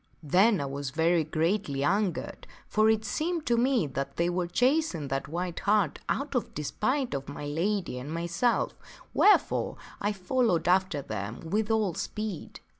Then I was very greatly angered, for it seemed to me that they were chasing that white hart out of despite of my lady and myself, wherefore I followed after them with all speed.